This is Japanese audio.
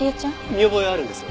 見覚えあるんですよね？